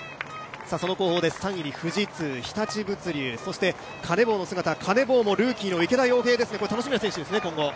その後方で３位に富士通、日立物流そしてカネボウの姿、カネボウもルーキーの池田耀平、楽しみな選手ですね。